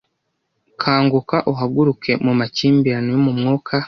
Kanguka uhaguruke mu makimbirane yo mu mwuka